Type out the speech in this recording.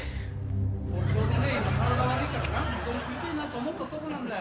俺ちょうどね今体悪いからなうどん食いてぇなと思ってたとこなんだよ。